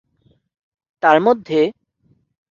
তার মধ্যে,